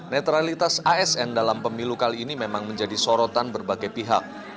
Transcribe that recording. netralitas asn dalam pemilu kali ini memang menjadi sorotan berbagai pihak